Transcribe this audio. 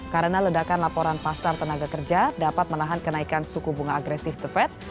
karena ledakan laporan pasar tenaga kerja dapat menahan kenaikan suku bunga agresif the fed